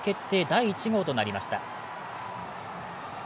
第１号となりました。